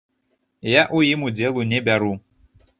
Я ў ім удзелу не бяру!